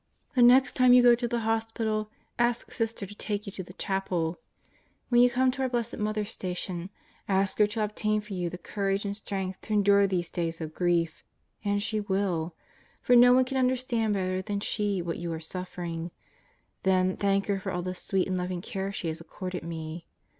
The next time you go to the Hospital, ask Sister to take you to the chapel. When you come to our blessed Mother's station, ask her to obtain for you the courage and strength to endure these days of grief. And she will. For no one can understand better than she what you are suffering. ... Then thank her for all the sweet and loving care she has accorded me.